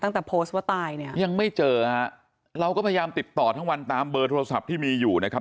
ตั้งแต่โพสต์ว่าตายเนี่ยยังไม่เจอฮะเราก็พยายามติดต่อทั้งวันตามเบอร์โทรศัพท์ที่มีอยู่นะครับ